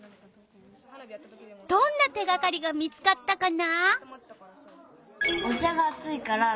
どんな手がかりが見つかったかな？